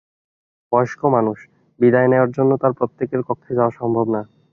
বয়স্ক মানুষ, বিদায় নেওয়ার জন্য তাঁর প্রত্যেকের কক্ষে যাওয়া সম্ভব নয়।